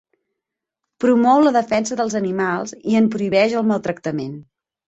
Promou la defensa dels animals i en prohibeix el maltractament.